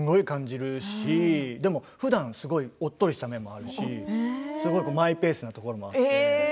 でもふだんはおっとりとした面もあるしマイペースなところもあるし。